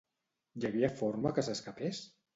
Hi havia forma que s'escapés?